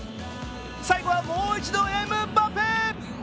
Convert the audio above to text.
最後はもう一度、エムバペ。